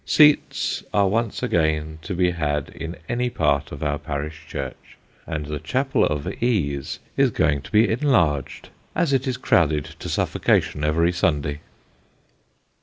Seats are once again to be had in any part of our parish church, and the chapel of ease is going to be enlarged, as it is crowded to suffocation every Sunday